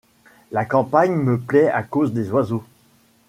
La campagne me plaît à cause des oiseaux.